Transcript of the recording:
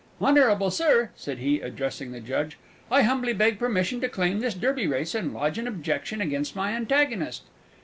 "Honble Sir," said he, addressing the Judge, "I humbly beg permission to claim this Derby race and lodge an objection against my antagonist."